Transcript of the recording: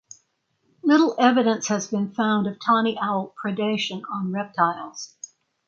Little evidence has been found of tawny owl predation on reptiles.